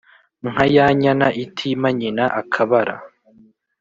nka ya nyana itima nyina akabara.